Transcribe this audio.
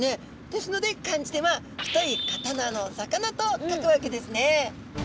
ですので漢字では太い刀の魚と書くわけですね。